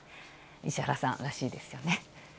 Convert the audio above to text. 石原さんらしいですよね。